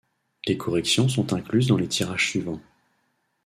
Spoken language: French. Les corrections sont incluses dans les tirages suivants.